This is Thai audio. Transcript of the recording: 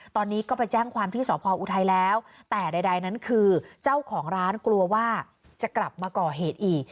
ตอนนี้ก็ไปแจ้งความที่สพออุทัยแล้วแต่ใดนั้นคือเจ้าของร้านกลัวว่าจะกลับมาก่อเหตุอีก